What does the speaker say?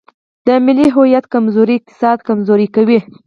د ملي هویت کمزوري اقتصاد کمزوری کوي.